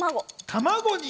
卵？